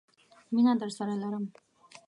مینه درسره لرم!